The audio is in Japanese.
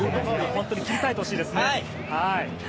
本当に切り替えてほしいですね。